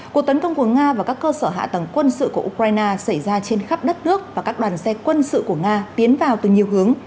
cuộc tấn công của nga vào các cơ sở hạ tầng quân sự của ukraine xảy ra trên khắp đất nước và các đoàn xe quân sự của nga tiến vào từ nhiều hướng